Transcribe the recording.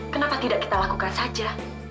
kenapa tidak kita lakukan saja